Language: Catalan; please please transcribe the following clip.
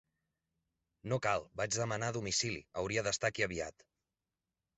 No cal, vaig demanar a domicili, hauria d'estar aquí aviat.